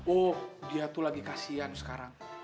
oh dia tuh lagi kasian sekarang